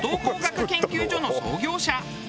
光学研究所の創業者。